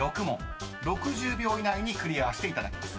［６０秒以内にクリアしていただきます］